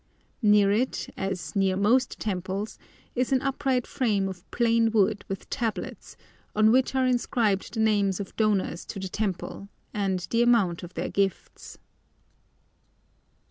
Near it, as near most temples, is an upright frame of plain wood with tablets, on which are inscribed the names of donors to the temple, and the amount of their gifts.